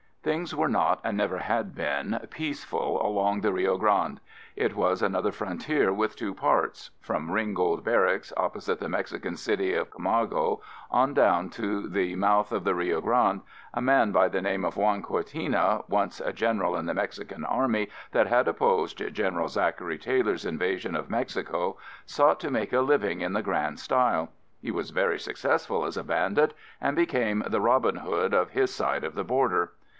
Things were not, and never had been, peaceful along the Rio Grande. It was another frontier with two parts. From Ringgold Barracks, opposite the Mexican city of Camargo, on down to the mouth of the Rio Grande, a man by the name of Juan Cortina, once a general in the Mexican Army that had opposed General Zachary Taylor's invasion of Mexico, sought to make a living in the grand style. He was very successful as a bandit and became the "Robin Hood" of his side of the border.